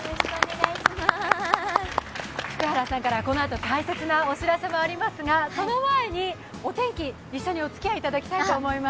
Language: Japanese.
福原さんからこのあと大切なお知らせもありますがその前に、お天気、一緒におつきあいいただきたいと思います。